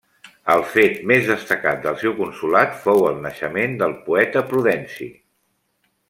El fet més destacat del seu consolat fou el naixement del poeta Prudenci.